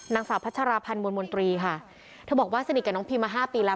นางสาวพัชราพันธ์มนมนตรีค่ะเธอบอกว่าสนิทกับน้องพิมมาห้าปีแล้ว